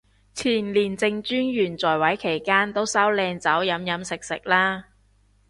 前廉政專員在位期間都收靚酒飲飲食食啦